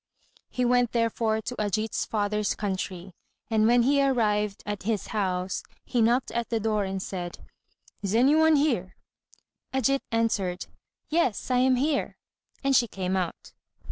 He went therefore to Ajít's father's country, and when he arrived at his house, he knocked at the door and said, "Is any one here?" Ajít answered, "Yes, I am here;" and she came out.